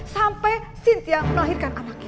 sampai cynthia melahirkan anaknya